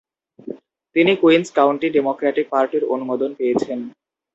তিনি Queens County Democratic পার্টির অনুমোদন পেয়েছেন।